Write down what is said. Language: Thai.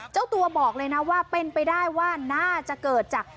เจ้าตัวบอกเลยนะว่าเป็นไปได้ว่าน่าจะเกิดจาก